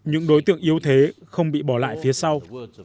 những đối tượng yếu thế không bị bỏ lại phía sau